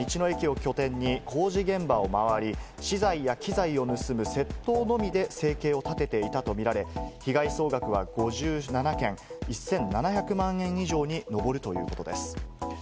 一家は道の駅を拠点に工事現場を回り、資材や機材を盗む窃盗のみで生計を立てていたとみられ、被害総額は５７件、１７００万円以上に上るということです。